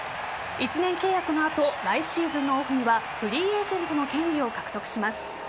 １年契約の後来シーズンのオフにはフリーエージェントの権利を獲得します。